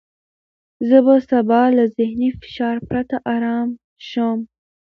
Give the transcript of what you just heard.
زه به سبا له ذهني فشار پرته ارامه شوم.